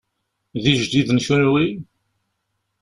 D ijdiden kunwi?